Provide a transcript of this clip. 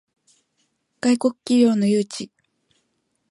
外国企業の誘致